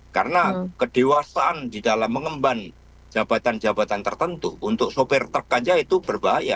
karena kedewasaan di dalam mengemban jabatan jabatan tertentu untuk sopir truk saja itu berbahaya